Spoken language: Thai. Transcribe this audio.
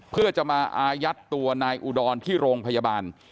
เพื่อจะมาอายัดตัวนายอุดรที่โรงพยาบาล